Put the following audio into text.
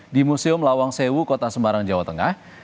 di museum lawang sewu kota semarang jawa tengah